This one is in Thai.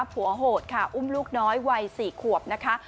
โหดค่ะอุ้มลูกน้อยวัย๔ขวบนะคะ